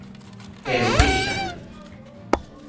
Pero vexan.